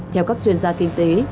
theo các chuyên gia kinh tế